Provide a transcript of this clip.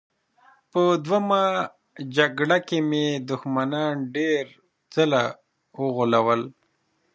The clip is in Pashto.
په دویمه جګړه کې مې دښمنان ډېر ځله وغولول